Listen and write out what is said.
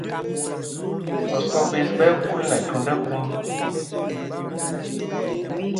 Osɔ́ ɓēs ɓɛ́ ɛ́ kúl nɛ thūnd ɛkúm.